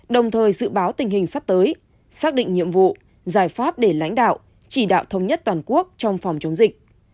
đồng thời dự báo tình hình sắp tới xác định nhiệm vụ giải pháp để lãnh đạo chỉ đạo thống nhất toàn quốc trong phòng chống dịch